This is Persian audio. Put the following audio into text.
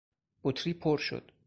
بطری پر شد.